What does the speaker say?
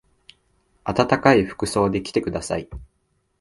あたたかい服装で来てください。